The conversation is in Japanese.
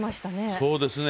そうですね。